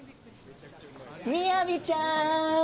みやびちゃん。